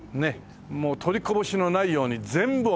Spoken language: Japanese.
もう取りこぼしのないように全部おみくじが。